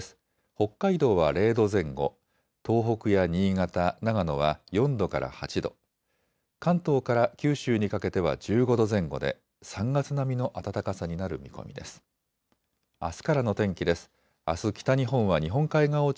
北海道は０度前後、東北や新潟、長野は４度から８度、関東から九州にかけては１５度前後で３月並みの暖かさになる見込みです。